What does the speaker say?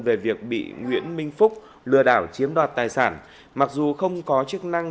về việc bị nguyễn minh phúc lừa đảo chiếm đoạt tài sản mặc dù không có chức năng